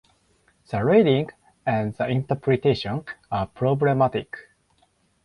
The reading and the interpretation are problematic.